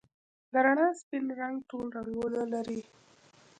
د رڼا سپین رنګ ټول رنګونه لري.